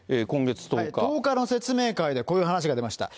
１０日の説明会でこういう話が出ました。